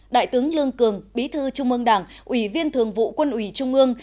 đại tướng lương cường bí thư trung ương đảng ủy viên thường vụ quân ủy trung ương